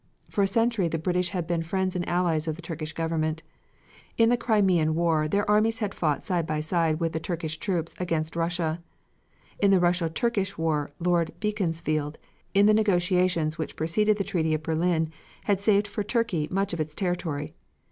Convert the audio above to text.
For a century the British had been the friends and allies of the Turkish Government. In the Crimean War their armies had fought side by side with the Turkish troops against Russia. In the Russo Turkish War Lord Beaconsfield, in the negotiations which preceded the treaty of Berlin, had saved for Turkey much of its territory.